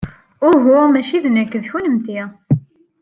Uhu, maci d nekk, d kennemti!